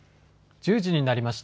１０時になりました。